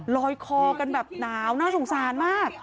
ลอยคอกันแบบหนาวน่าสงสารมาก